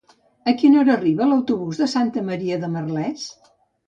A quina hora arriba l'autobús de Santa Maria de Merlès?